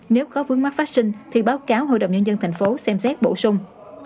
nếu có vướng mắt phát sinh thì báo cáo hội đồng nhân dân tp hcm xem xét bổ sung